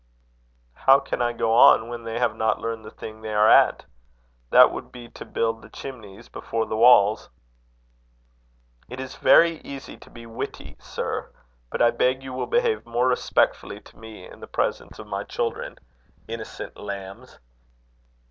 "How can I go on when they have not learned the thing they are at? That would be to build the chimneys before the walls." "It is very easy to be witty, sir; but I beg you will behave more respectfully to me in the presence of my children, innocent lambs!"